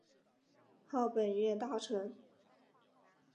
号本院大臣。